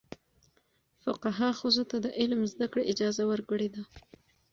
فقهاء ښځو ته د علم زده کړې اجازه ورکړې ده.